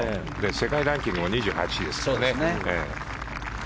世界ランキングも２８位ですからね。